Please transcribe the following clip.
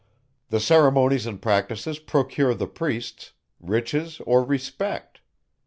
The ceremonies and practices procure the priests, riches or respect.